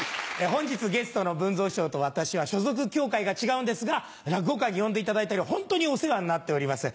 本日ゲストの文蔵師匠と私は所属協会が違うんですが落語会に呼んでいただいたりホントにお世話になっております。